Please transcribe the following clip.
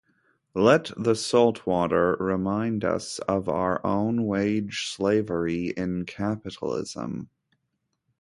Let the saltwater remind us of our own wage-slavery in capitalism.